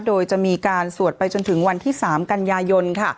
โดยจะมีการสวดจะไม่ถึงวันที่๓กันยายน